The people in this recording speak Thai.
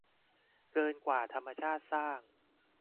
เกินกว่าธรรมชาติสร้าง